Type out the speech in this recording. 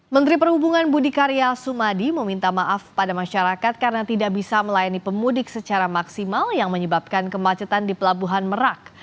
menteri perhubungan budi karya sumadi meminta maaf pada masyarakat karena tidak bisa melayani pemudik secara maksimal yang menyebabkan kemacetan di pelabuhan merak